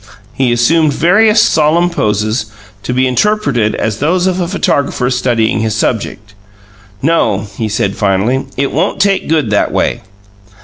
He assumed various solemn poses, to be interpreted as those of a photographer studying his subject. "No," he said finally; "it won't take good that way."